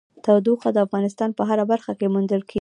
تودوخه د افغانستان په هره برخه کې موندل کېږي.